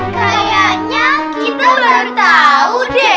kayaknya kita baru tahu deh